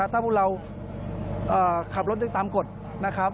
ถ้าพวกเราขับรถได้ตามกฎนะครับ